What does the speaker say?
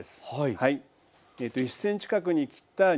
はい。